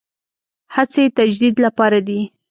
هڅې تجدید لپاره دي.